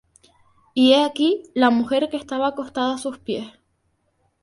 y he aquí, la mujer que estaba acostada á sus pies.